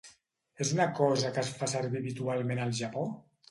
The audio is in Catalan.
És una cosa que es fa servir habitualment al Japó?